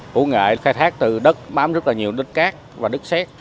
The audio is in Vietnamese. củ nghệ khai thác từ đất bám rất là nhiều đất cát và đất xét